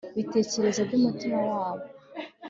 bitekerezo by'umutima wabo